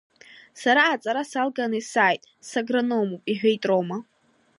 Сара аҵара салганы сааит, сагрономуп, — иҳәеит Рома.